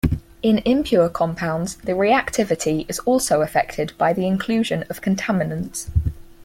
In impure compounds, the reactivity is also affected by the inclusion of contaminants.